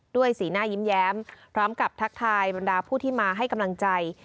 สีหน้ายิ้มแย้มพร้อมกับทักทายบรรดาผู้ที่มาให้กำลังใจ